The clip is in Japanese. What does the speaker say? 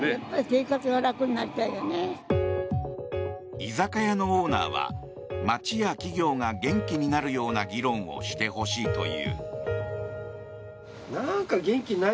居酒屋のオーナーは街や企業が元気になるような議論をしてほしいという。